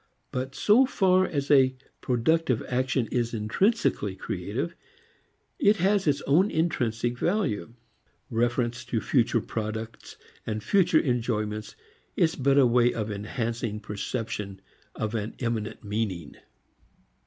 But so far as a productive action is intrinsically creative, it has its own intrinsic value. Reference to future products and future enjoyments is but a way of enhancing perception of an immanent meaning.